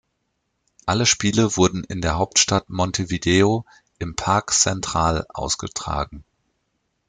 Alle Spiele wurden in der Hauptstadt Montevideo im Parque Central ausgetragen.